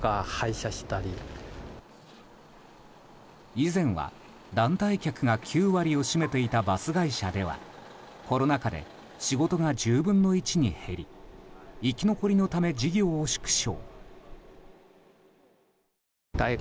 以前は団体客が９割を占めていたバス会社ではコロナ禍で仕事が１０分の１に減り生き残りのため事業を縮小。